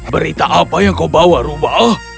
berita apa yang kau bawa rubah